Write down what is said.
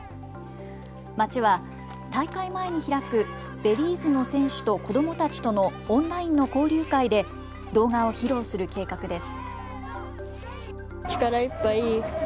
町は大会前に開くベリーズの選手と子どもたちとのオンラインの交流会で動画を披露する計画です。